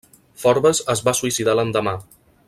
Forbes es va suïcidar l'endemà.